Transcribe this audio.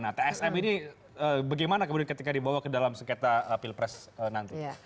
nah tsm ini bagaimana kemudian ketika dibawa ke dalam sengketa pilpres nanti